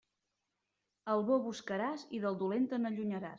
Al bo buscaràs i del dolent te n'allunyaràs.